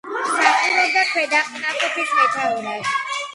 მსახურობდა ქვედანაყოფის მეთაურად.